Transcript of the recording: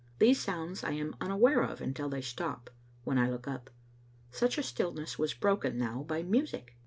These sounds I am unaware of until they stop, when I look up. Such a stillness was broken now by music.